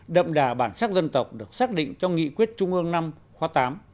đậm đà bản sắc dân tộc được xác định trong nghị quyết trung ương năm khóa tám